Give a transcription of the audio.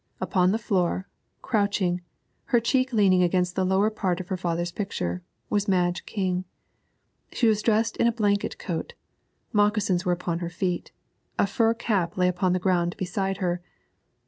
Upon the floor, crouching, her cheek leaning against the lower part of her father's picture, was Madge King. She was dressed in a blanket coat; moccasins were upon her feet; a fur cap lay upon the ground beside her.